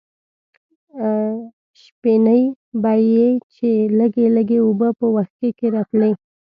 شپېنۍ به یې چې لږې لږې اوبه په وښکي کې راتلې.